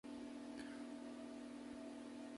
Қоғамдық-саяси апталық.